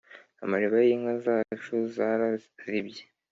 amariba yinka zacu zarazibye